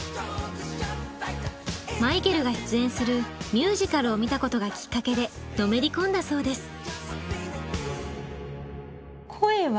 マイケルが出演するミュージカルを見たことがきっかけでのめり込んだそうです。